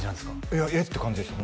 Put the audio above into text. いや「えっ？」って感じでした